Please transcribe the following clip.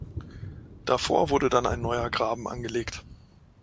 Davor wurde dann ein neuer Graben angelegt.